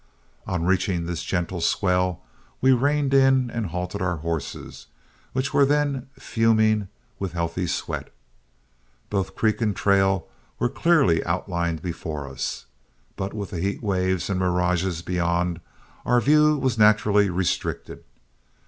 On reaching this gentle swell, we reined in and halted our horses, which were then fuming with healthy sweat. Both creek and trail were clearly outlined before us, but with the heat waves and mirages beyond, our view was naturally restricted.